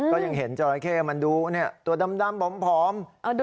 ก็ยังเห็นจราเข้มันดูตัวดำผอม